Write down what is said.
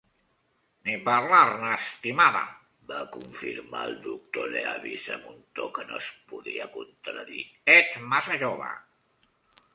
"Ni parlar-ne, estimada", va confirmar el doctor Leavis amb un to que no es podia contradir; "ets massa jove!